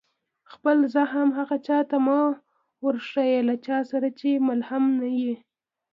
خپل زخم هغه چا ته مه ورښيه، له چا سره چي ملهم نه يي.